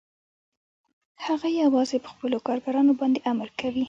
هغه یوازې په خپلو کارګرانو باندې امر کوي